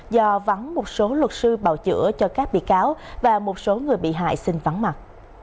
do vắng một số luật sư bào chữa cho các bị cáo và một số người bị hại xin vắng mặt